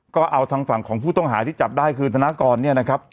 ก็เอาทางฝั่งของผู้ต้องหาที่จับได้คือธนากรเนี่ยนะครับ